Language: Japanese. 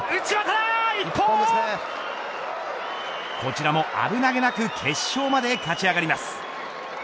こちらも危なげなく決勝まで勝ち上がります。